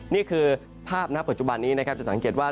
นี่คือภาพณปัจจุบันนี้นะครับจะสังเกตว่า